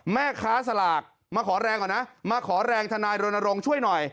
แม่ค้าสลากมาขอแรงก่อนนะมาขอแรงทนายรณรงค์ช่วยหน่อย